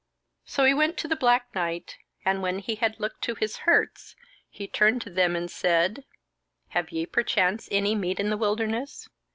So he went to the Black Knight, and when he had looked to his hurts, he turned to them and said: "Have ye perchance any meat in the wilderness?"